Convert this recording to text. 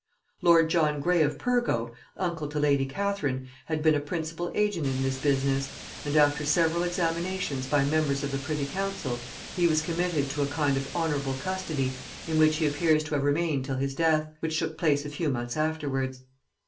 Lord John Grey of Pyrgo, uncle to lady Catherine, had been a principal agent in this business, and after several examinations by members of the privy council, he was committed to a kind of honorable custody, in which he appears to have remained till his death, which took place a few months afterwards.